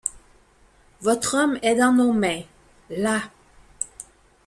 Votre homme est dans nos mains. — Là.